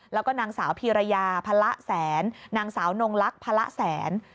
แล้วก็นางสาวพีรยาพละแสนนางสาวนงลักษณ์พระแสน